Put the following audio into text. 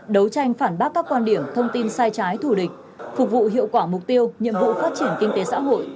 đấu tranh phản bác các quan điểm thông tin sai trái thù địch phục vụ hiệu quả mục tiêu nhiệm vụ phát triển kinh tế xã hội